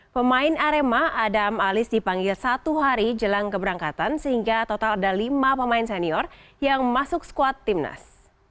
pemain arema adam alis dipanggil satu hari jelang keberangkatan sehingga total ada lima pemain senior yang masuk squad timnas